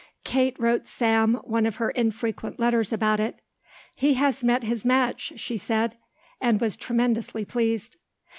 Kate wrote Sam one of her infrequent letters about it. "He has met his match," she said, and was tremendously pleased.